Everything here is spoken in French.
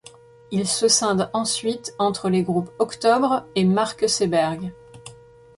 Il se scinde ensuite entre les groupes Octobre et Marc Seberg.